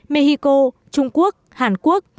mexico trung quốc hàn quốc